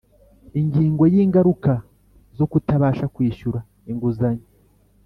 Ingingo y’Ingaruka zo kutabasha kwishyura inguzanyo